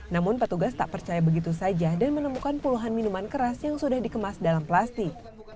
namun petugas tak percaya begitu saja dan menemukan puluhan minuman keras yang sudah dikemas dalam plastik